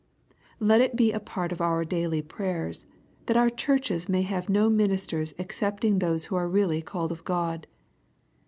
Let it be a part of our daily prayers, that our churches may have no ministers excepting those who are really called of God.